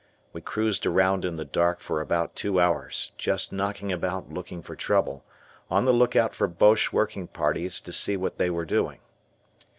We cruised around in the dark for about two hours, just knocking about looking for trouble, on the lookout for Boche working parties to see what they were doing.